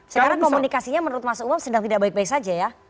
sekarang komunikasinya menurut mas umam sedang tidak baik baik saja ya